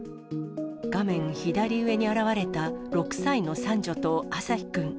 画面左上に現れた６歳の三女とあさひくん。